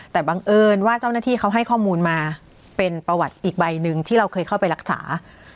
แต่บังเอิญว่าเจ้าหน้าที่เขาให้ข้อมูลมาเป็นประวัติอีกใบหนึ่งที่เราเคยเข้าไปรักษา